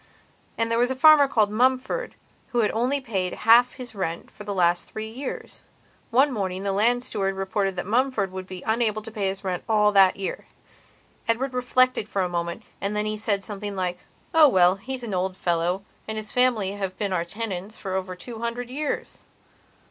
And there was a farmer called Mumford who had only paid half his rent for the last three years. One morning the land steward reported that Mumford would be unable to pay his rent at all that year. Edward reflected for a moment and then he said something like: "Oh well, he's an old fellow and his family have been our tenants for over two hundred years.